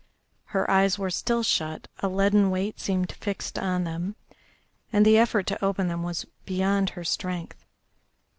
Her eyes were still shut; a leaden weight seemed fixed on them, and the effort to open them was beyond her strength.